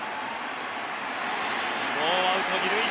ノーアウト二塁一塁。